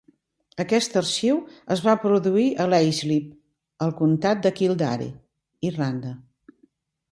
Aquest arxiu es va produir a Leixlip, al comtat de Kildare (Irlanda).